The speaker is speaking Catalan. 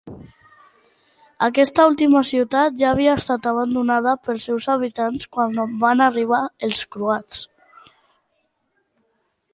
Aquesta última ciutat ja havia estat abandonada pels seus habitants quan van arribar els croats.